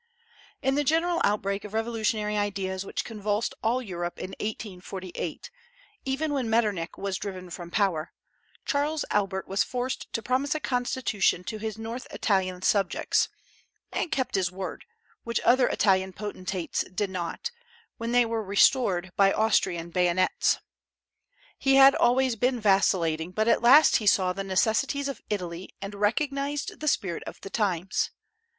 In the general outbreak of revolutionary ideas which convulsed all Europe in 1848, when even Metternich was driven from power, Charles Albert was forced to promise a constitution to his North Italian subjects, and kept his word, which other Italian potentates did not, when they were restored by Austrian bayonets. He had always been vacillating, but at last he saw the necessities of Italy and recognized the spirit of the times.